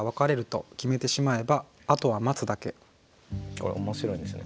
これ面白いですよね。